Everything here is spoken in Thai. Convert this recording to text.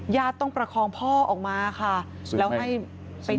ต้องประคองพ่อออกมาค่ะแล้วให้ไป